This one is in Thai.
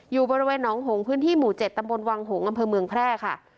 อยู่บริเวณหนองหงพื้นที่หมู่๗ตำบลวังหงษ์อำเภอเมืองแพร่ค่ะ